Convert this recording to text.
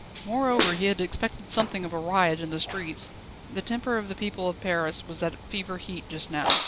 Moreover, he had expected something of a riot in the streets. The temper of the people of Paris was at fever heat just now.